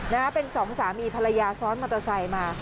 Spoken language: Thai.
นะฮะเป็นสองสามีภรรยาซ้อนมอเตอร์ไซค์มา